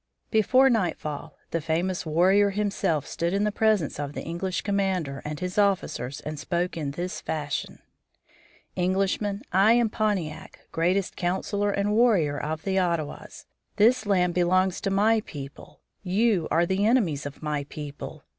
Before nightfall the famous warrior himself stood in the presence of the English commander and his officers and spoke in this fashion: "Englishmen, I am Pontiac, greatest councilor and warrior of the Ottawas. This land belongs to my people. You are the enemies of my people.